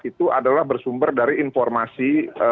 itu adalah bersumber dari informasi